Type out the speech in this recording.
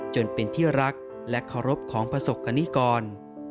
จนเป็นที่รักและเคารพของประสบกรณิกร